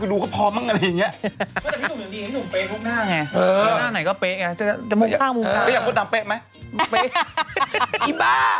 แต่ผมเองไปถ่ายตีท้ายครัวอย่างนี้